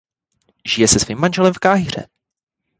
Žije se svým manželem v Káhiře.